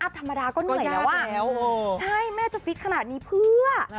ธรรมดาก็เหนื่อยแล้วอ่ะใช่แม่จะฟิตขนาดนี้เพื่อ